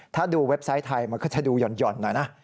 ถ้าดูเว็บไซต์ไทยมันก็จะดูหย่อนหน่อยนะ